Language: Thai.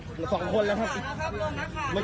โดนนักข่าวนะครับโดนนักข่าวนะครับ